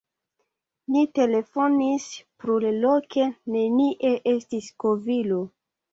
Ni telefonis plurloke: nenie estis kovilo.